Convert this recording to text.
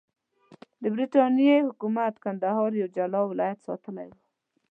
د برټانیې حکومت کندهار یو جلا ولایت ساتلی وو.